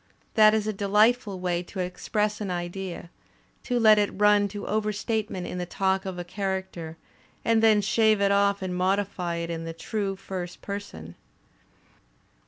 That is a delightul way to express an idea, to let it run to overstatement in the talk of a character, and then shave it off and modify it in the true first person!